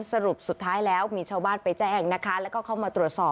สรุปสุดท้ายแล้วมีชาวบ้านไปแจ้ง